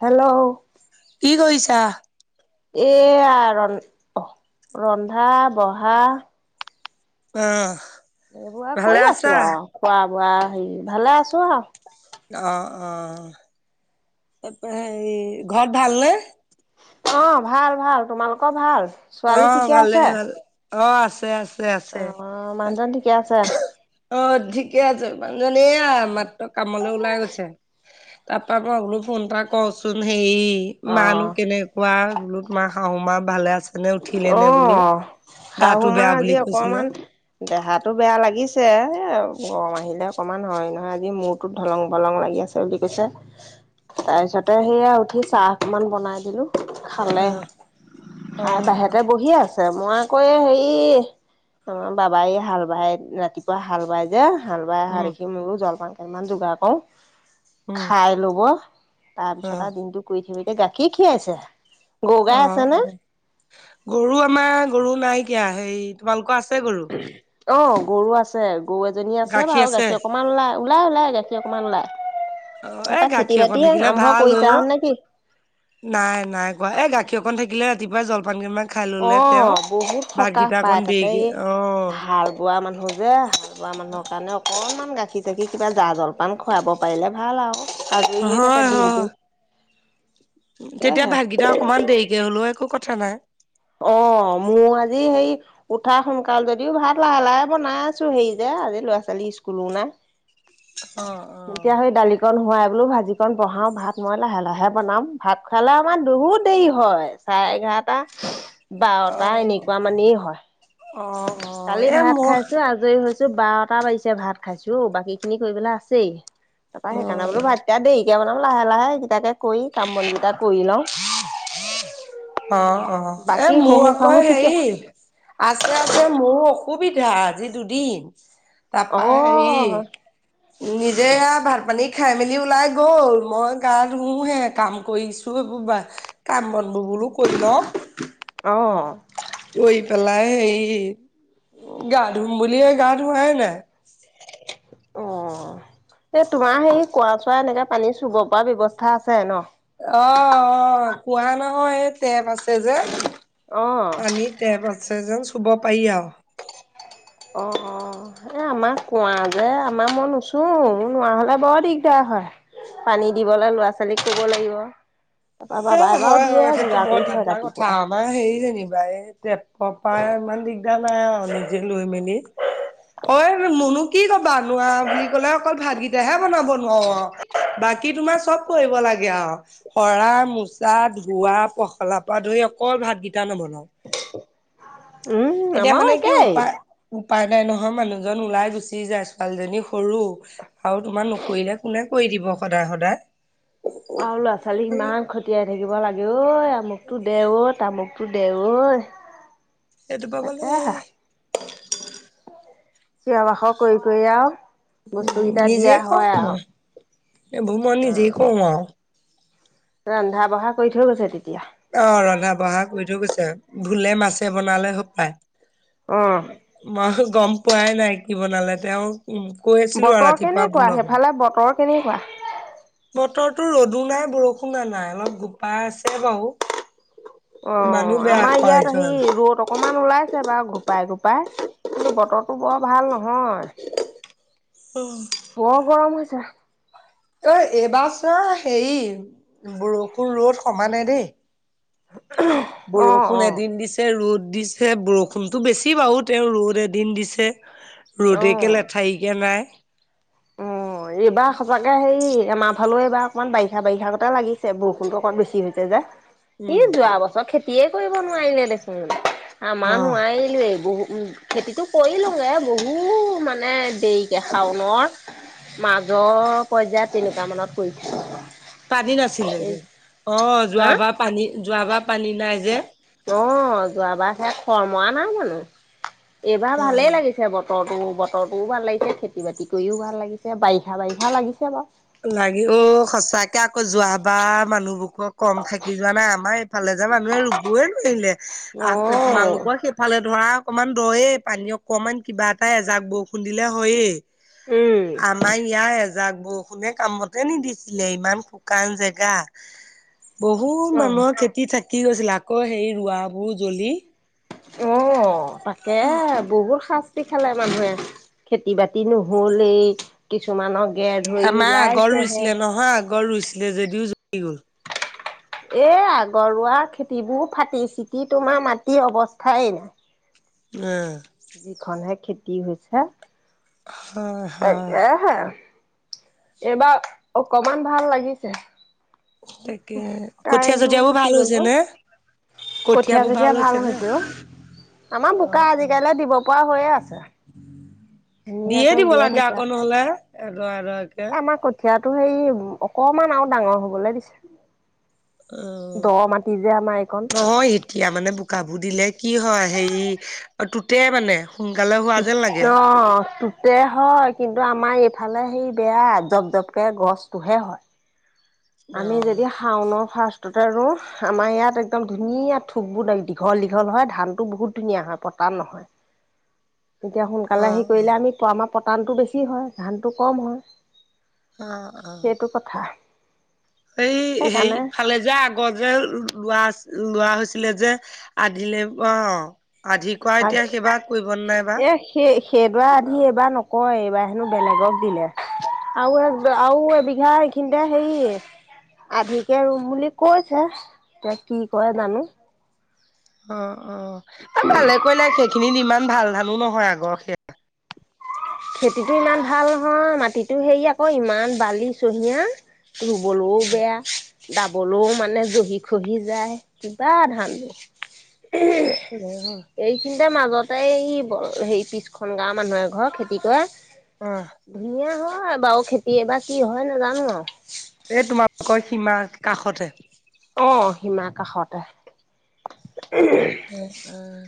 Hello কি কৰিছা? এয়া ৰন ৰন্ধা বঢ়া অ এইবা ভালে কৰি আছা? আছো আৰু খোৱা বোৱা হেৰি ভালে আছো আউ অ-অ, তাৰপা হেৰি ঘৰত ভালনে? অ, ভাল-ভাল তোমালোকৰ ভাল? ছোৱালী অ', ঠিকে ভালে আছে? ভালে অ আছে আছে আছে। আহ মানুহজন ঠিকে আছে। অ, ঠিকে আছে মানুহজনী এয়া মাত্ৰ কামলৈ ওলাই গৈছে। তাৰপৰা মই সলো ফোন এটা কচোন হেই অ মান কেনেকুৱা। বোলো ত মা শাহু মা ভালে আছে নে উঠিলে নে বোলো। গাটো শাহুমাৰ বেয়া বুলি আজি কৈছিলে অকমান দেহাটো বেয়া লাগিছে এ গৰম আহিলে অকমান হয় নহয় আজি মূৰটোত দলং পলং লাগি আছে বুলি কৈছে। তাৰ পিছতে সেইয়া উঠি চাহ অকমান বনাই দিলো। খালে অ', অ', খাই অ', বাহিৰতে বহিয়ে আছে। আছে মই আকৌ এই হেৰি আমাৰ বাবাই হাল বাই ৰাতিপুৱা হাল বাই যে হাল বাই অহা উম। দেখি মোৰো জলপান কেইটামান যোগাৰ কৰো। উম, খাই লব তাৰপিছত অ', আৰু দিনটো কৰি থিবতিয়া গাখীৰ খীৰাইছে। গগা অ', আছা নে অ', গৰু আমাৰ গৰু নাইকিয়া সেই তোমালোকৰ আছে গৰু? অ গৰু আছে। গৰু এজনী আছে বাৰু গাখীৰ অকণমান ওলাই-ওলাই-ওলাই গাখীৰ অকণমান ওলায়। অ, এই গাখীৰ অকন থাকিলে ভাল অ কৰিছা নে কি নাই-নাই কোৱা এই গাখীৰ অকন থাকিলে ৰাতিপুৱাই জলপান কেটামান অ, বহুত সকাহ অকণ পায় তাতে দেৰিকে এই অ' হাল বোৱা মানুহ যে হাল বোৱা মানুহৰ কাৰণে অকনমান গাখীৰ চাখীৰ কিবা জা জলপান খুৱাব পাৰিলে ভাল আউ- আজৰি হৈ থাকে হয় হয় দিনটো। তেতিয়া তাকেহে ভাতকিটা অকমান দেৰিকে হ'লেও একো কথা নাই। অ' অ', মোৰ আজি হেৰি উঠা সোনকাল যদিও ভাত লাহে, লাহে বনাই আছোঁ হেৰি যে, আজি ল'ৰা ছোৱা ইস্কুলো নাই, অ' [unintelligible] দালিকন হোৱা বোলো ভাজিকণ বহাও, ভাত মই লাহে, লাহে বনাম ভাত খোৱালে আমাৰ বহুত দেৰি হয়, চাৰে এঘাৰটা অ' বাৰটা অ' এনেকুৱা মানেই হয়, অ' অ' কালি এ ভাত মোৰ খাইছোঁ, আজৰি হৈছ বাৰটা বাজিছে ভাত খাইছোঁ, বাকীখিনি কৰিবলৈ আছেই। তাপা সেইকাৰণে বোলো অ' ভাইকেইটা দেৰিকে বনাম, লাহে, লাহে এইকেইটাকে কৰি কাম বন কিটা কৰি লওঁ। অ', অ', এ, বাকী মোৰ শহু আকৌ শাহু ঠিকে হেৰি আছে, আছে মোৰ অসুবিধা আজি দুদিন, অ তাপা হেৰি নিজে সেয়া ভাত, পানী খাই মেলি ওলাই গ'ল, মই গা ধোওঁহে কাম কৰিছোঁ। কাম বন বো-বোলো কৰি লওঁ। অ'। কৰি পেলাই হেৰি গা ধুম বুলি, এই গা ধোৱাই নাই। অ' এই তোমাৰ হেই কোৱাৰ চোৱা এনেকে পানী চুব পৰা ব্যৱস্থা আছে ন? অ' কোৱা নহয়, এই টেপ আছে যে। অ পানী টেপ আছে যেন চুব পাৰি আহ অ' অ' এই আমাৰ কোৱা যে আমাৰ মই নুচো নোৱাৰা হ'লে বৰ দিগদাৰ। হয়, পানী দিবলৈ ল'ৰা ছোৱালীক ক'ব লাগিব। তাৰপৰা এই বাবাই বাৰু হয় দিয়ে হয়। সেইটো যোগাৰ বৰ কৰি থয় দিগদাৰ কথা ৰাতিপুৱাই। আমাৰ হেৰি যেনি বায়ে তেপ পপাৰ মালিক। যাৰ নাই অ' নিজে লৈ মেলি হয় মনু কি হ'ব বাগোৱা বুলি ক'লে অকল ভাতকেইটাহে বনাব। অ' বাকী তোমাৰ চ'ব কৰিব লাগে আৰু সৰা মোচা, ধোৱা, পখলা পৰা ধৰি অকল ভাত কিটা নবনোৱা। উম এতিয়া আমাৰো মানে কি একেই উপায় উম। উপাই নাই নহয় মানুহজন ওলাই গুচি যায় ছোৱালীজনী সৰু, আৰু তোমাৰ নকৰিলে কোনে কৰি দিব সদায়, সদায়। আৰু ল'ৰা, ছোৱালী ইমান খতিয়াই থাকিব লাগে অই, আমুকতো দে অ', তামুক তো দে, অই। এটো পাবালে [unintelligible] চিঞৰ বাখৰ কৰি, কৰি আৰু। বস্তুকেইটা নিজে দিয়া কওঁ হয়, মই এইবোৰ মই আৰু নিজেই অ'। কওঁ আৰু ৰন্ধা বঢ়া কৰি থৈ গৈছে তেতিয়া। অ', ৰন্ধা বঢ়া কৰি থৈ গৈছে, ভোলে, মাছে বনালে হ'ব পায়। অ মই গম পোৱাই নাই কি বনালে তেওঁ? উম, কৈছিলোঁ আৰু বতৰ ৰাতিপুৱা কেনেকুৱা ভোলৰ কথা। সেইফালে বতৰ কেনেকুৱা বতৰটো ৰ'দো নাই, বৰষুণো নাই অলপ গোপাই আছে বাৰু। ইমানো অ', বেয়া আমাৰ কয় ইয়াত আহি ৰ'দ অকমান ওলাইছে বাৰু গোপাই, গোপা পাই কিন্তু বতৰটো বৰ ভাল নহয় বৰ গৰম হৈছে। ঐ, এইবাৰ চোৱা হেৰি, বৰষুুণ-ৰ'দ সমানেই দেই। অ বৰষুণ এদিন দিছে, ৰ'দ দিছে, বৰষুণটো বেছি বাৰু, তেওঁ ৰ'দ এদিন দিছে অ ৰ'দ একে অ লেঠাৰিকে নাই। অ' এইবাৰ সঁচাকে হেৰি আমাৰ ফালেও এইবাৰ অকণমান বাৰিষা বাৰিষাগতে লাগিছে, বৰষুণটো অকণ বেছি হৈছে যে, ই উম যোৱা বছৰ খেতি তিয়ে কৰিব নোৱাৰিলে দেখোন, আমাৰ অ নোৱাৰিলোৱেই, বহু উ খেতিটো কৰি লওঁগে বহু মানে দেৰিকে শাওনৰ। মাজৰ পৰ্যায়ত, তেনেকুৱা মানত পৰিছিলোঁ। ছিল যে অ যোৱাবাৰ পানী যোৱাবাৰ পানী নাই যে। অ'! যোৱাবাৰ সেইয়ত, খৰাং মৰা নাই জানোঁ! এইবাৰ অ ভালেই লাগিছে, ব বতৰটো বতৰটোও ভাল লাগিছে। খেতি বাতি কৰিও ভাল লাগিছে। বাৰিষা বাৰিষা লাগিছে বাৰু। লাগে, অ'! সঁচাকে আকৌ, যোৱা বাৰ মানুহবোৰকো, কম থাকি যোৱা নাই আমাৰ। সিফালে যে মানুহে ৰোবই নোৱাৰিলে। আঁ তোমালোকৰ সেইফালে ধৰা, অকমান দ'য়ে। পানী অকমান, কিবা এটা এজাক বৰষুণ দিলে, হৈয়ে। অ' উম আমাৰ ইয়াই এজাক বৰষুণ। পোনে কামতে নিদিছিলে ইমান শুকান জেগা। বহুত অ'। মানুহৰ খেতি থাকি গৈছিল। আকৌ সেই ৰোৱাবোৰ জ্বলি অ তাকে বহুত সাচ খালে মানুহে খেতি বাতি নহলেই কিছুমানক। আমা আগত ৰুইছিলে নহয় আগত ৰুইছিলে যদিও জ্বলি গ'ল। এ আগৰুৱা খেতিবোৰ ফাটি চিটি তোমাৰ মাটিৰ অৱস্থাই নাই। উম। যিখনহে খেতি হৈছে হয় হয় তাকে হে। এইবাৰ অকমান ভাল লাগিছে। তাকে [unintelligible] কঠীয়া কাৰেন্টটো চঠিয়াবোৰ গুচি ভাল গ'ল, হৈছে অ'! নে? কঠিয় চঠিয়ীয়া ভাল হৈছে অ। আমাৰ বোকা আজি। ইয়ালে দিব পৰা হৈয়ে আছে। দিয়ে ধুনীয়াকে দিব উলিয়াই লাগে, থৈছে। আকৌ নহ'লে, এডৰা-এডৰাকে। টো সেই অকমান আৰু ডাঙৰ হ'বলৈ দিছে। দ অ'! মাটি যে আমাৰ এইকণ নহয়, এতিয়া মানে, বোকাবোৰ দিলে কি হয় হেৰি টোতে মানে। সোনকালে হোৱা যেন লাগে। অ তে হয় কিন্তু আমাৰ এইফালে সেই বেয়া জপ জপকে গছবোৰ হে হয়। আমি অ', যদি শাওন। ফাৰ্ষ্টতে আৰু আমাৰ ইয়াত একদম ধুনীয়া ঠোকবোৰ দীঘল দীঘল হয়, ধানটো বহুত ধুনীয়া হয়। পতান নহয়। [unintelligible] তেতিয়া সোনকালে হেৰি অ', কৰিলে আমি আমাৰ পতানটো বেছি হয়। ধানটো কম হয়। অ', অ'। সেইটো কথা। এই হেই সেইকাৰণে ফালে যে আগৰ যে ৰুৱা। লোৱা হৈছিলে যে আধিলে অ। আধি কোৱা এতিয়া সেই ভাগ কৰিব নে নাই বা। এ সেই সেইডৰা আধি এইবাৰ নকৰোঁ, এইবাৰ হেনোঁ বেলেগক দিলে। আৰু এ আৰু এবিঘা এইখিনিতে হেৰি। আধিকে ৰোম বুলি কৈছে, এতিয়া কি কৰে জানোঁ। অ', অ'আৰু ভালে কৰিলে সেইখিনিত ইমান ভাল ধানো নহয় আগৰ সেয়া। খেতিটো ইমান ভাল নহয়, মাটিতো সেৰি আকৌ, ইমান বালি চহিয়া। ৰুবলৈও বেয়া। ডাবলৈও মানে জহি খহি যায় কিবা ধান। হ'লেই হ'ল। তে মাজতে হেৰি পিছখন গাঁৱৰ মানুহে এ ঘৰ খেতি কৰে। অ'। ধুনীয়া হয় বাৰু খেতি এ বা কি হয় নাজানো আৰু। এই তোমালোকৰ সীমা কাষতে। অ সীমা কাষতে। উম, উম।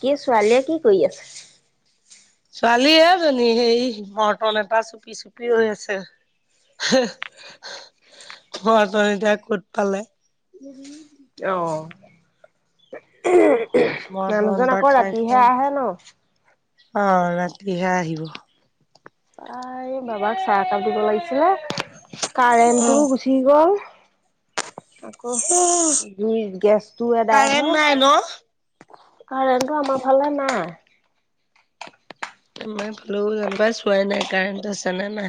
কি ছোৱালীয়ে কি কৰি আছে। বালি এজনী সেই মৰ্টন এটা চুপি চুপি ৰৈ আছে। হেহ, [unintelligible] এতিয়া কত পালে। অ'। মৰ্টন মানুহজন এটা আকৌ খাই ৰাতিহে খাই আহে ন? অ ৰাতিহে আহিব। প্ৰায় বাবাক চাহ একাপ দিব লাগিছিলে। অ' কাৰেণ্টটো গুচি গ'ল। আকৌ জুই গেছটো এদাই কাৰেণ্ট হ'ল নাই ন? কাৰেন্টটো‌ আমাৰফালে নাই। আমাৰ ফালেও জেনবা চোৱাই নাই কাৰেণ্ট আছে নে নাই?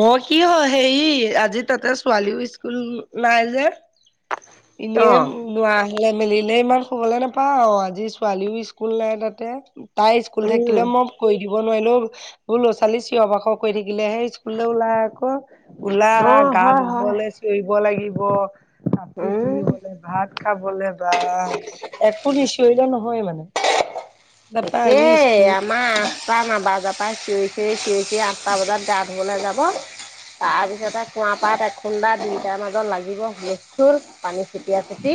মই কি হয় হেৰি আজি তাতে ছোৱালীও স্কুল নাই যে। এনে অ নোৱা‌ মেলিলে ইমান শুবলৈ নাপাওঁ অ আজি ছোৱালীও স্কুল নাই তাতে। তাই স্কুল উম থাকিলে মই কৈ দিও। ক'ব নোৱাৰি নহয় এইবোৰ ল'ৰা -ছোৱালী চিঞৰ বাখৰ কৰি থাকিলেহে স্কুললে ওলাই আকৌ। উলা অ গা হয় হয় ধুবলৈ চিঞৰিব লাগিব। কাপোৰ উম পিন্ধিবলৈ, ভাত খাবলৈ বা একো নিচিঞৰিলে নহ হয় মানে। তাপা আজি একেই স্কুল আমাৰ আঠটা নাবাজাৰ পৰা চিঞৰি এই চিয়ঁৰি চিয়ঁৰি আঠটা বজাত গা ধুবলৈ যাব। তাৰ পিছতে কুঁৱা পাত এ খুন্দা দুয়টাৰ মাজত লাগিব মুৰ পানী যেতিয়া পুতি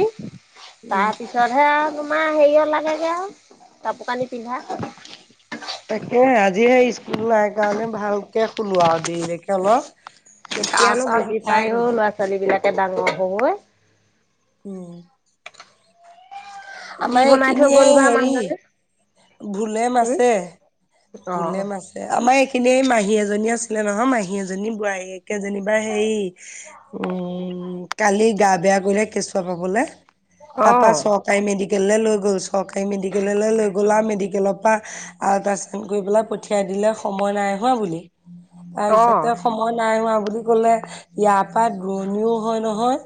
উম তাৰ পিছতহে আৰু তোমাৰ হেৰিইত লাগেগে আৰু কাপোৰ কানি পিন্ধা তাকে আজি সেই স্কুল নাই কাৰণে ভালকৈ শুলো আৰু দেৰিলৈকে অলপ গা কেতিয়ানো চা বুজি বিষাই পায় অও গ'ল ল'ৰা -ছোৱালী বিলাকে ডাঙৰ হয় উম। কি আমাৰ বনাই থৈ এইখিনিয়ে গ'ল বা মানুহজনে হেৰি ভোলেম উম আছে। অ ভোলে মাছে আমাৰ এইখিনি মাহী এজনী আছিলে নহয় মাহী এজনী বোৱাৰী একে যেনিবা হেই উম কালি গা বেয়া বোলে কেচুৱা পাবলে অ তাৰ পিছত চৰকাৰী মেডিকেলে লৈ‌ গ'ল চোন চৰকাৰী মেডিকেললৈ লৈ গ'লা আৰু মেডিকেলৰ পৰা আৰু তাৰপিছত ফন কৰি পেলাই পঠিয়াই দিলে সময় নাই হোৱা বুলি তাৰ অ পিছতে সময় নাই হোৱা বুলি কলে ইয়াৰ পৰা দুৰণিও হয় নহয়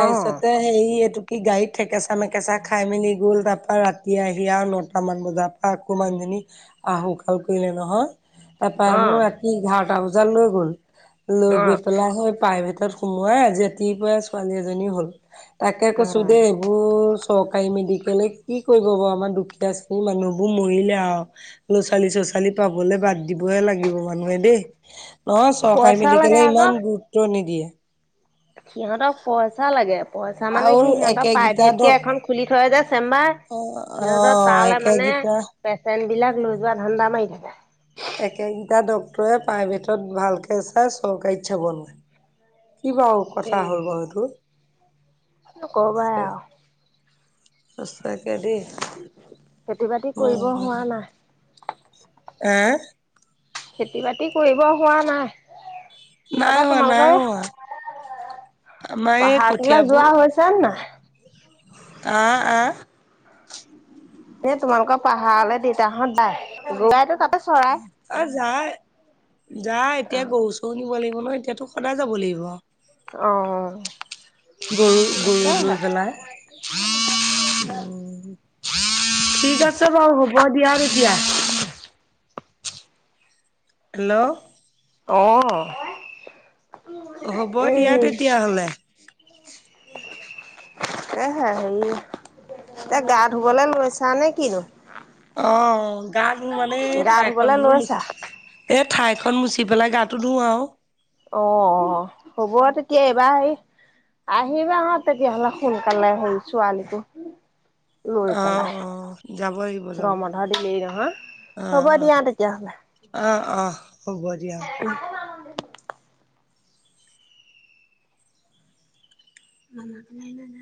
অ হেই এইটো কি গাড়ী থেকেচা মেকেচা খাই মেলি গ'ল তাৰ পৰা ৰাতি আহি আৰু নটামান বজাৰ পৰা আকৌ মানুহজনী আহুকাল কৰিলে নহয় অ তাৰপৰানো ৰাতি এঘাৰটা বজাত লৈ গ'ল। লৈ অ অ গৈ পেলাই সেই প্ৰাইভেটত সোমোৱাই আজি ৰাতিপুৱাই ছোৱালী এজনী হ'ল। তাকে কৈছোঁ দেই এইবোৰ চৰকাৰী মেডিকেলে কি কি কৰিব বাৰু আমাৰ দুখীয়া শ্ৰেণীৰ মানুহবোৰ মৰিলে আৰু ল'ৰা ছোৱালী চচালী পাবলৈ বাদ দিবহে লাগিব মানুহে দেই। নহয় চৰকাৰী পইচা লাগে মেডিকলে আকৌ ইমান গুৰুত্ব নিদিয়ে। সিহঁতক পইচা লাগে পইচা মানে কি আৰু সিহতক একেগিটা প্ৰাইভেট কে ডক এখন খুলি থয় যে চেম্বাৰ অ অ সিহঁতৰ তালৈ মানে একেগিটা পেচেণ্ট বিলাক লৈ যোৱা ধান্দা মাৰি থাকে। একেগিটা ডক্টৰে প্ৰাইভেটত ভালকে চাই চৰকাৰীত চাব নোৱাৰে। কি বাৰু কথা উম, হ'ল বাৰু এইটো‌ নক'বাই আৰু। সঁচাকে দেই খেতি- বাতি কৰিব হোৱা নাই? আহ? খেতি- বাতি কৰিব হোৱা নাই। নাই তাৰপৰা হোৱা তোমালোকৰ নাই হোৱা। আমাৰ এ পাহাৰ তোলা যোৱা কঠিয়াবোৰ হৈছে নে নাই আ, আ। এ, তোমালোকৰ পাহাৰলে, দেউতাহঁত যাই। দেতাইতো তাতে চৰাই অ'! যাই, যাই। এতিয়া, অ গৰু-চৰু নিব লাগিব ন' এতিয়াতো, সদায় যাব লাগিব। অ' গৰু গৰু লৈ তাকেহে পেলাই ঠিক আছে বাৰু হ'ব দিয়া তেতিয়া। হেল্ল'? অ', হ'ব দিয়া উম তেতিয়াহ'লে [unintelligible] সেৰি এ, গা ধুবলে লৈছা, নে কিনো? অ', গা ধোৰ মানে গা ঠাই খন ধুবলৈ মানে লৈছা মুচি এ ঠাইখন মুচি পেলাই গাটো ধুও আৰু। অ', হ'ব তেতিয়া এইবাৰ আহিবা হট তেতিয়াহলে সোনকালে হে ছোৱালীকো লৈ অ পেলাই অ যাব লাগিব যাব গৰ বন্ধ লাগিব দিলেই নহয়? অ হ'ব অ দিয়া তেতিয়াহলে। অ অ হ'ব দিয়া। [inaudible]